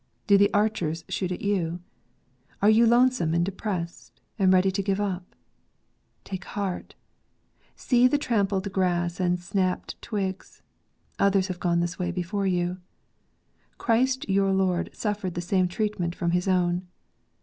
Do the archers shoot at you? Are you lonesome and depressed, and ready to give up ? Take heart !— see the trampled grass and the snapped twigs ; others have gone this way before you. Christ your Lord suffered the same treatment from His own.